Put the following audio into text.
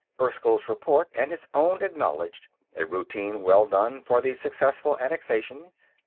Erskyll's report and his own acknowledged; a routine "well done" for the successful annexation.